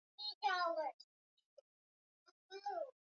kituo cha kwanza cha kibiashara kilianza kazi